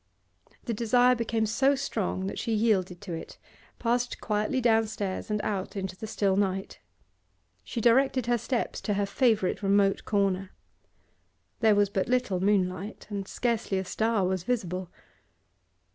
The desire became so strong that she yielded to it, passed quietly downstairs, and out into the still night. She directed her steps to her favourite remote corner. There was but little moonlight, and scarcely a star was visible.